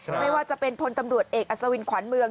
ไม่ว่าจะเป็นพลตำรวจเอกอัศวินขวัญเมือง